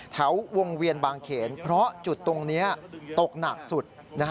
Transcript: แถววงเวียนบางเขนเพราะจุดตรงนี้ตกหนักสุด